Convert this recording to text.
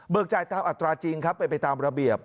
เบิกจ่ายตามอัตราจริงเป็นไปตามระเบียบ